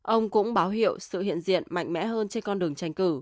ông cũng báo hiệu sự hiện diện mạnh mẽ hơn trên con đường